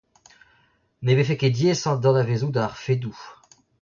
Ne vefe ket diaes adanavezout ar fedoù.